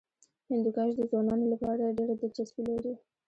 هندوکش د ځوانانو لپاره ډېره دلچسپي لري.